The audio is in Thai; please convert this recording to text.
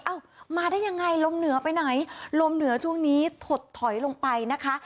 เอามาได้ยังไงลมเหนือไปไหนลมเหนือช่วงนี้ถดถอยลงไปนะคะ